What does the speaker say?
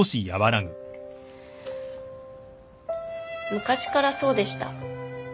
昔からそうでした。